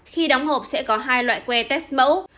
khi đóng hộp sẽ có hai loại que test mẫu